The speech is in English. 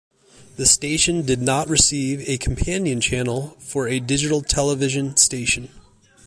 The station did not receive a companion channel for a digital television station.